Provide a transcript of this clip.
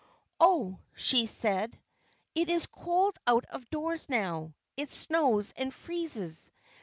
"Oh," said she, "it is cold out of doors now. It snows and freezes.